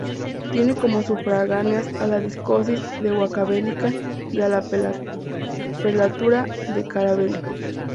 Tiene como sufragáneas a la diócesis de Huancavelica y a la prelatura de Caravelí.